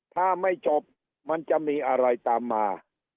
ถ้าไม่จบมันจะมีอะไรตามมา